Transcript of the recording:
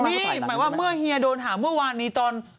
นี่หมายว่าเมื่อเฮียโดนหาเมื่อวานนี้ตอน